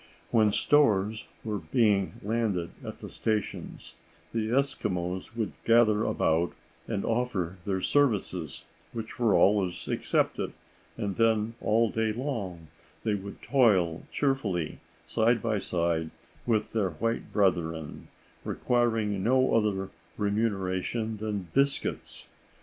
When stores were being landed at the stations, the Eskimos would gather about and offer their services, which were always accepted, and then all day long they would toil cheerfully side by side with their white brethren, requiring no other remuneration than biscuits.